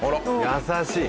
優しい。